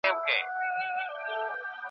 د وخت ملامتي ده چي جانان په باور نه دی .